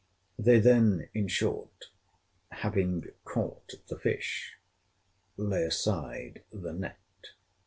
They then, in short, having caught the fish, lay aside the net.